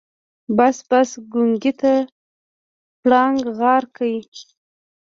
بس بس ګونګي ته پړانګ غار کې.